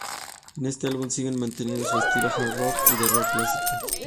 En este álbum siguen manteniendo su estilo hard rock y de rock clásico.